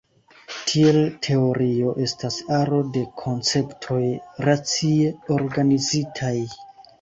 Tiel teorio estas aro de konceptoj racie organizitaj.